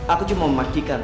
aku cuma memastikan